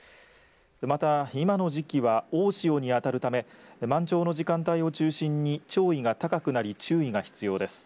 また今の時期は大潮にあたるため満潮の時間帯を中心に潮位が高くなり注意が必要です。